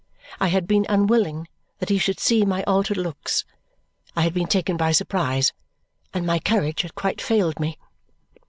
I had been unwilling that he should see my altered looks. I had been taken by surprise, and my courage had quite failed me.